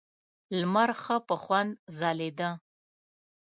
لمر ښه په خوند ځلېده.